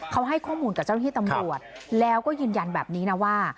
เขาให้ข้อมูลกับเจ้าหน้าที่ตำรวจแล้วก็ยืนยันแบบนี้นะว่า